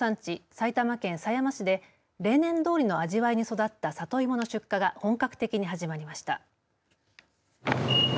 埼玉県狭山市で例年どおりの味わいに育った里芋の出荷が本格的に始まりました。